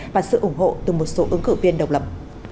và sự ủng hộ từ một số ứng cử viên độc lập